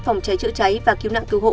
phòng cháy chữa cháy và cứu nạn cứu hộ